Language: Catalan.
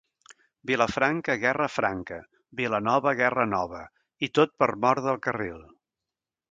Vilafranca, guerra franca; Vilanova, guerra nova... i tot per mor del carril.